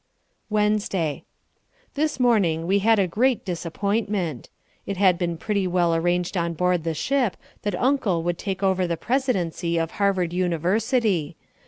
Wednesday This morning we had a great disappointment. It had been pretty well arranged on board the ship that Uncle would take over the presidency of Harvard University.